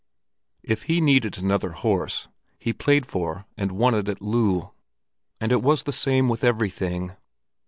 If he needed another horse, he played for and won it at loo; and it was the same with everything.